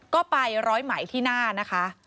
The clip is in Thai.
ก็ไปร้อยไหมที่หน้านะคะ